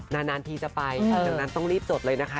นานทีจะไปหลังจากนั้นต้องรีบจดเลยนะคะ